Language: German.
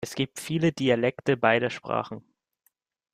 Es gibt viele Dialekte beider Sprachen.